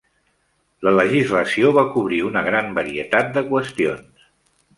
La legislació va cobrir una gran varietat de qüestions.